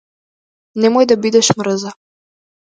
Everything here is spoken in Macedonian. Немој да бидеш мрза.